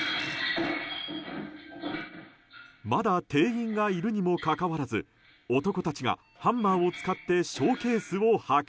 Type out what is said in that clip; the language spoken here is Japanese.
まだ店員がいるにもかかわらず男たちがハンマーを使ってショーケースを破壊。